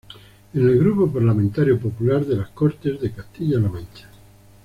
En el Grupo Parlamentario Popular de las Cortes de Castilla La Mancha.